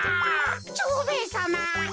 蝶兵衛さま